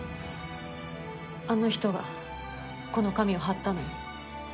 あの人がこの紙を貼ったのよ。